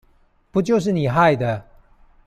不就是你害的